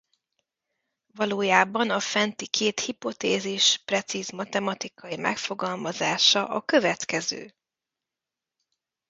Valójában a fenti két hipotézis precíz matematikai megfogalmazása a következő.